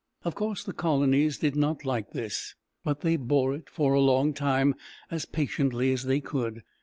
Of course, the colonies did not like this, but they bore it for a long time as patiently as they could.